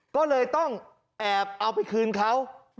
ก็เลยต้องแอบเอาไปคืนเขา